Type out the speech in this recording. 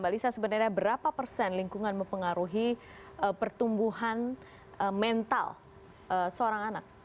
mbak lisa sebenarnya berapa persen lingkungan mempengaruhi pertumbuhan mental seorang anak